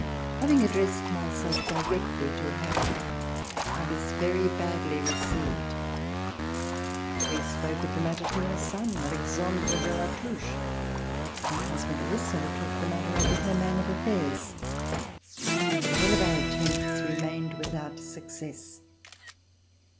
Having addressed myself directly to her, I was very badly received. We spoke of the matter to her son, Alexandre de La Touche. My husband also took the matter up with her man of affairs, but all of our attempts remained without success.